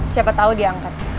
siapa tau diangkat